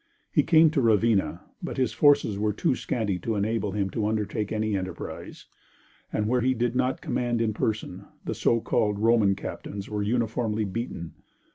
He came to Ravenna, but his forces were too scanty to enable him to undertake any enterprise, and where he did not command in person, the so called Roman captains were uniformly beaten.